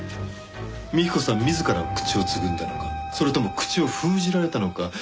幹子さん自ら口をつぐんだのかそれとも口を封じられたのか。